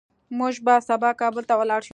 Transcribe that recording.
موږ به سبا کابل ته لاړ شو